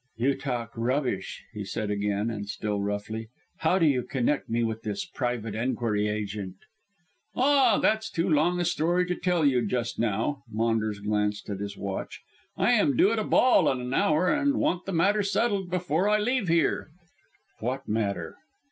"You talk rubbish," he said again, and still roughly. "How do you connect me with this private enquiry agent?" "Ah, that's too long a story to tell you just now." Maunders glanced at his watch. "I am due at a ball in an hour, and want the matter settled before I leave here." "What matter?"